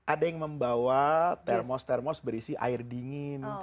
ada yang membawa termos termos berisi air dingin